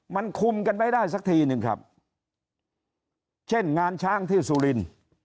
มันคุมกันไม่ได้สักทีหนึ่งครับเช่นงานช้างที่สุรินทร์